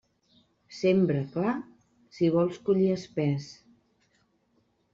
Sembra clar si vols collir espés.